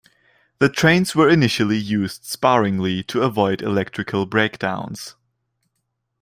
The trains were initially used sparingly to avoid electrical breakdowns.